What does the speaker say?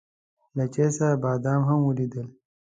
له چای سره بادام هم وليدل.